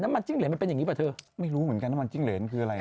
มันจิ้งเหรนมันเป็นอย่างนี้ป่ะเธอไม่รู้เหมือนกันน้ำมันจิ้งเหรนคืออะไร